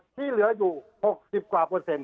ที่เหลืออยู่๖๐กว่าเปอร์เซ็นต